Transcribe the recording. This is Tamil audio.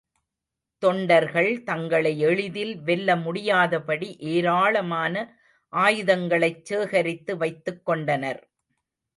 தொண்டர்கள் தங்களை எளிதில் வெல்ல முடியாதபடி ஏராளமான ஆயுதங்களைச் சேகரித்து வைத்துக் கொண்டனர்.